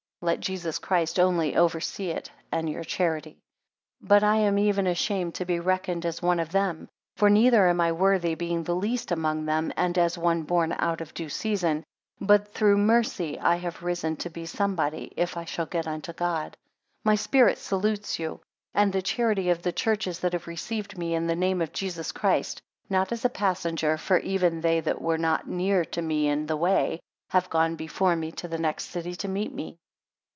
Let Jesus Christ only oversee it, and your charity. 10 But I am even ashamed to be reckoned as one of them; for neither am I worthy, being the least among them, and as one born out of due season. But through mercy I have risen to be somebody, if I shall get unto God. 11 My spirit salutes you; and the charity of the churches that have received me in the name of Jesus Christ; not as a passenger, for even they that were not near to me in the way, have gone before me to the next city to meet me.